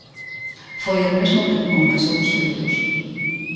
Foi el mesmo quen confesou os feitos.